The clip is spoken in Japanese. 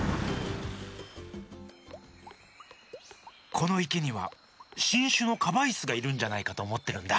このいけにはしんしゅのカバイスがいるんじゃないかとおもってるんだ。